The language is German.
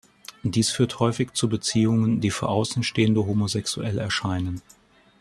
Dies führt häufig zu Beziehungen, die für Außenstehende homosexuell erscheinen.